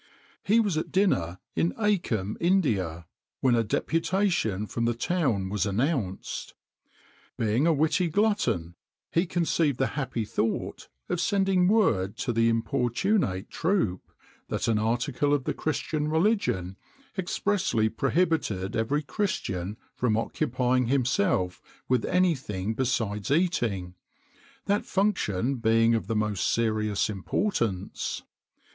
He was at dinner in Achem, India, when a deputation from the town was announced. Being a witty glutton, he conceived the happy thought of sending word to the importunate troop that an article of the Christian religion expressly prohibited every Christian from occupying himself with anything besides eating, that function being of the most serious importance.